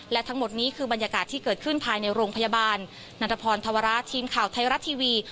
และทั้งหมดนี้คือบรรยากาศที่เกิดขึ้นภายในโรงพยาบาลนันทพรธวระทีมข่าวไทยรัฐทีวี